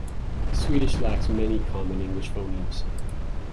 Swedish lacks many common English phonemes.